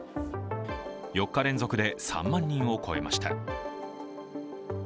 ４日連続で３万人を超えました。